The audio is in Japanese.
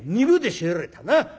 ２分で仕入れたな。